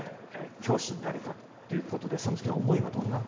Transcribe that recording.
教師になれたということでその時の思いはどんな？